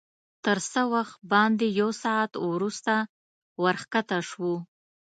تر څه باندې یو ساعت وروسته ورښکته شوو.